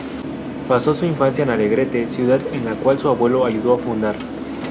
Pasó su infancia en Alegrete, ciudad en la cual su abuelo ayudó a fundar.